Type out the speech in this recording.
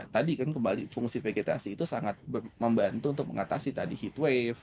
tadi kan kembali fungsi vegetasi itu sangat membantu untuk mengatasi tadi heat wave